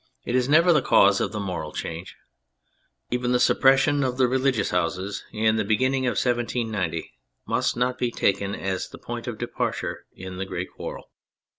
It is never the cause of a moral change. Even the suppression of the religious houses in the beginning of 1790 must not be taken as the point of departure in the great quarrel.